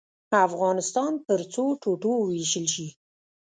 افغانستان پر څو ټوټو ووېشل شي.